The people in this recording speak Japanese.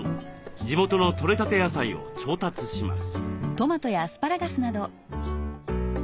地元の取れたて野菜を調達します。